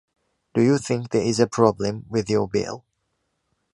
Do you think there is a problem with your bill?